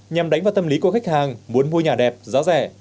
nhằm đánh vào tâm lý của khách hàng muốn mua nhà đẹp giá rẻ